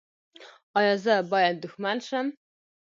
ایا زه باید دښمن شم؟